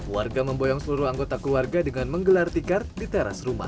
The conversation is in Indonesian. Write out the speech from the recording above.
warga memboyong seluruh anggota keluarga dengan menggelar tikar di teras rumah